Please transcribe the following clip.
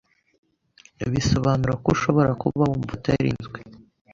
bisobanura ko ushobora kuba wumva utarinzwe